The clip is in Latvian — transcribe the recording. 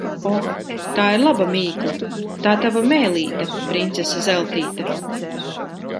Oh, tā ir laba mīkla! Tā tava mēlīte, princese Zeltīte.